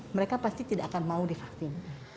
mereka pasti tidak akan mau divaksin